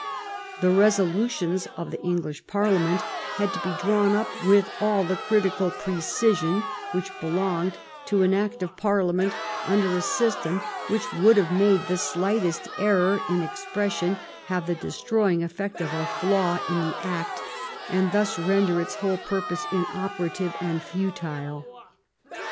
The resolutions of the English Par liament had to be drawn up with all the critical pre cision which belonged to an act of Parliament under a system which would have made the slightest error in ex pression have the destroying effect of a flaw in the act, and thus render its whole purpose inoperative and futile.